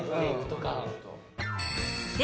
で